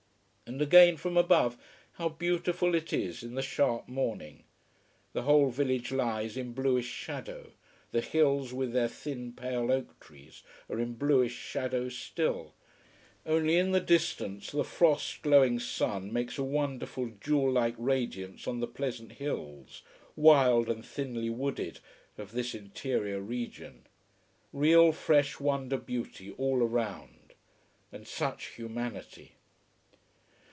And again, from above, how beautiful it is in the sharp morning! The whole village lies in bluish shadow, the hills with their thin pale oak trees are in bluish shadow still, only in the distance the frost glowing sun makes a wonderful, jewel like radiance on the pleasant hills, wild and thinly wooded, of this interior region. Real fresh wonder beauty all around. And such humanity.